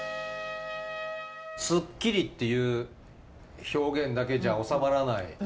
スッキリっていう表現だけじゃおさまらない。